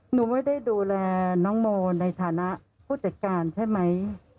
หนูไม่ได้ดูแลน้องโมในฐานะผู้จัดการใช่ไหม